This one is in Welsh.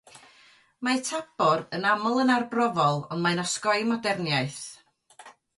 Mae Tabor yn aml yn arbrofol ond mae'n osgoi moderniaeth.